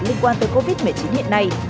liên quan tới covid một mươi chín hiện nay